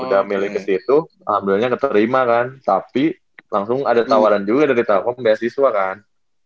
udah milih ke situ ambilnya keterima kan tapi langsung ada tawaran juga dari telkom biasiswa kan